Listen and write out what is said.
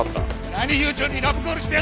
何悠長にラブコールしてやがる！